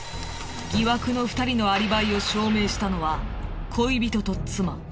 疑惑の２人のアリバイを証明したのは恋人と妻。